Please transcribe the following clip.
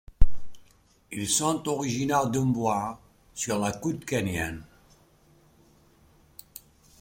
Ils sont originaires de Mbwa, sur la côte kényane.